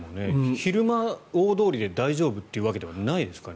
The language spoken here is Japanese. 昼間、大通りで大丈夫というわけではないから。